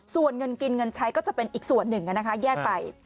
ส่วนเงินกินเงินใช้ก็จะเป็นอีกส่วนหนึ่งแยกไป